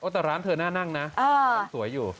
แต่ร้านเธอน่านั่งนะยังสวยอยู่